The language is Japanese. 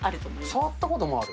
触ったこともある？